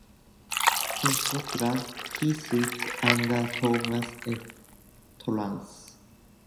In Scotland, he studied under Thomas F. Torrance.